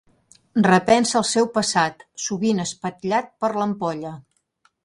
Repensa el seu passat, sovint espatllat per l'ampolla.